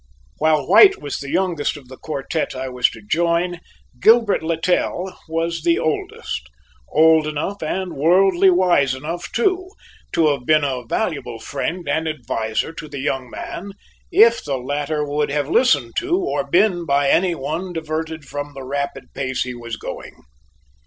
While White was the youngest of the quartette I was to join, Gilbert Littell was the oldest old enough and worldly wise enough, too, to have been a valuable friend and adviser to the young man, if the latter would have listened to, or been by any one diverted from the rapid pace he was going.